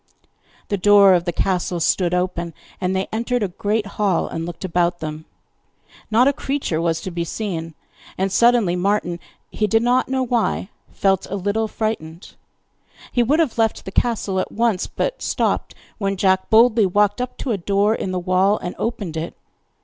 The door of the castle stood open, and they entered a great hall, and looked about them. Not a creature was to be seen, and suddenly Martin he did not know why felt a little frightened. He would have left the castle at once, but stopped when Jack boldly walked up to a door in the wall and opened it.